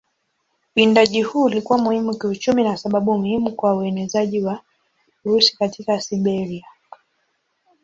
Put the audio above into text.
Uwindaji huu ulikuwa muhimu kiuchumi na sababu muhimu kwa uenezaji wa Urusi katika Siberia.